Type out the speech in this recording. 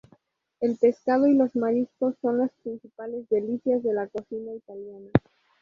El pescado y los mariscos son las principales delicias de la cocina italiana.